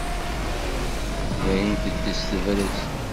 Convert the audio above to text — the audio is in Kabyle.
Dayen teddez tebrez.